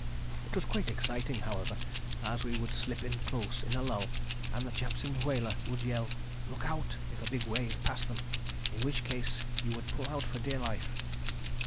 It was quite exciting, however, as we would slip in close in a lull, and the chaps in the whaler would yell, 'Look out!' if a big wave passed them, in which case you would pull out for dear life.